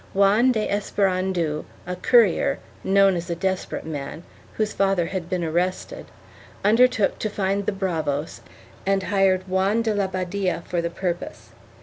Juan de Esperandeu, a currier, known as a desperate man, whose father had been arrested, undertook to find the bravos and hired Juan de la Badia for the purpose.